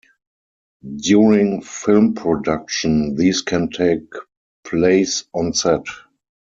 During film production, these can take place "on set".